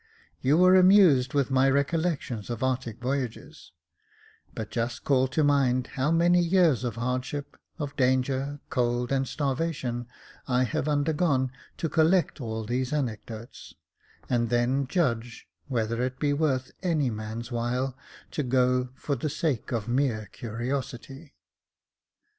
You are amused with my recollec tions of Arctic voyages ; but just call to mind how many years of hardship, of danger, cold, and starvation I have undergone to collect all these anecdotes, and then judge whether it be worth any man's while to go for the sake of mere curiosity."